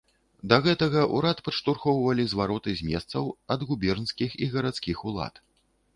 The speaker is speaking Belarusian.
Да гэтага ўрад падштурхоўвалі звароты з месцаў, ад губернскіх і гарадскіх улад.